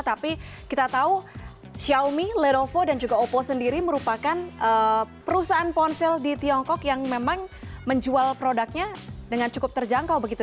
tapi kita tahu xiaomi lerovo dan juga oppo sendiri merupakan perusahaan ponsel di tiongkok yang memang menjual produknya dengan cukup terjangkau begitu